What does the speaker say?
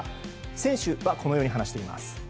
選手はこのように話しています。